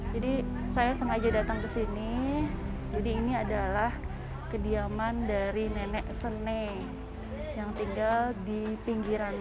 jadi saya sengaja datang ke sini jadi ini adalah kediaman dari nenek sene yang tinggal di pinggiran